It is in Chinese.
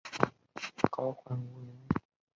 高阇羌人。